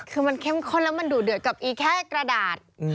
คือมันเข้มข้นแล้วมันดูเดือดกับอีแค่กระดาษ